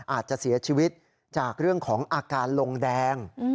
อาจจะเสียชีวิตจากเรื่องของอาการลงแดง